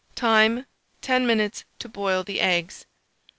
Time. 10 minutes to boil the eggs.